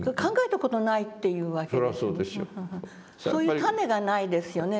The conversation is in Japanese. そういう種がないですよね